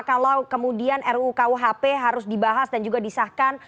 kalau kemudian rukuhp harus dibahas dan juga disahkan